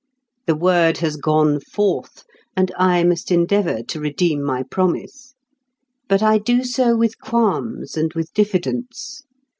The word has gone forth, and I must endeavour to redeem my promise. But I do so with qualms and with diffidence.